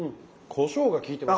こしょうが効いてます。